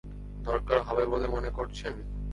দরকার হবে বলে মনে করছেন?